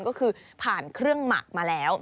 ก็คือผ่านเครื่องหมักมาแล้ว